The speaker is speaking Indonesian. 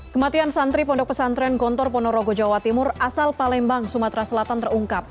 kematian santri pondok pesantren gontor ponorogo jawa timur asal palembang sumatera selatan terungkap